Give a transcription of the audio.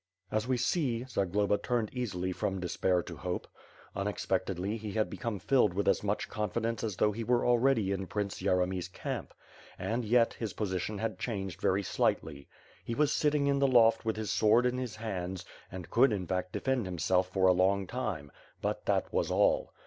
As we see, Zagloba turned easily from despair to hope. Un expectedly, he had become filled with as much confidence as though he were already in Prince Yeremy's camp, and yet, his position had changed very slightly. He was sitting in the loft with his sword in his hands, and could in fact defend him self for a long time; but that was all.